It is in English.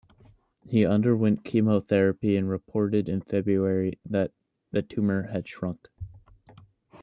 He underwent chemotherapy and reported in February that the tumor had shrunk.